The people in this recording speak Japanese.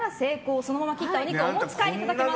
そのまま切ったお肉をお持ち帰りいただけます。